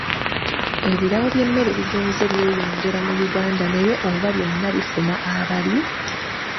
Ebirabo by'emmere bigenze byeyongera mu Uganda naye oba byonna bifuna abali?